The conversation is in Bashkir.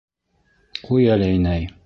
Ҡуй әле, инәй...